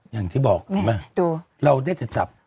อย่างที่บอกเราได้สัดสับ